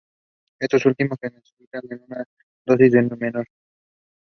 Since then he has accepted various engagements at smaller stages.